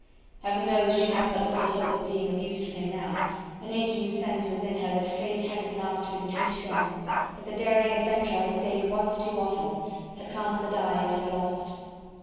Heaven knows! she had but little hope of being of use to him now: an aching sense was in her that fate had at last been too strong! that the daring adventurer had staked once too often, had cast the die and had lost.